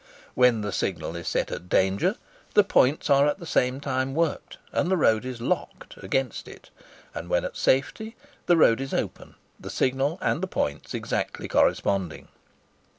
When the signal is set at "Danger," the points are at the same time worked, and the road is "locked" against it; and when at "Safety," the road is open,—the signal and the points exactly corresponding.